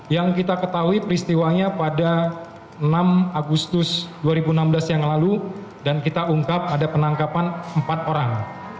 yang kita ketahui peristiwanya pada enam agustus dua ribu enam belas yang lalu dan kita ungkap ada penangkapan empat orang